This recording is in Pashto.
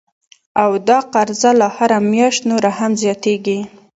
او دا قرضه لا هره میاشت نوره هم زیاتیږي